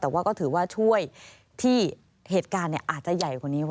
แต่ว่าก็ถือว่าช่วยที่เหตุการณ์อาจจะใหญ่กว่านี้